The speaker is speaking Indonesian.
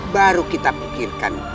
baru kita pikirkan